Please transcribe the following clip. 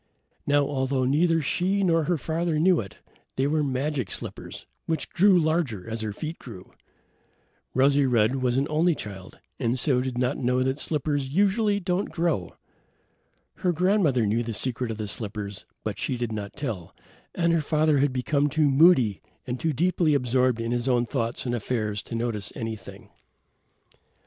Now, although neither she nor her father knew it, they were magic slippers which grew larger as her feet grew. Rosy red was only a child and so did not know that slippers don't usually grow. Her grandmother knew the secret of the slippers, but she did not tell, and her father had become too moody and too deeply absorbed in his own thoughts and affairs to notice anything.